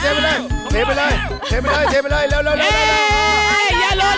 เถียงไปเลยเถียงไปเลยเถียงไปเลยเร็วเร็วเร็ว